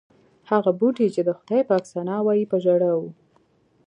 هغه بوټي چې د خدای پاک ثنا وایي په ژړا و.